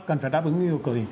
cần phải đáp ứng yêu cầu gì